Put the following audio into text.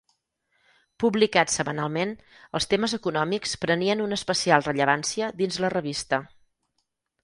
Publicat setmanalment, els temes econòmics prenien una especial rellevància dins la revista.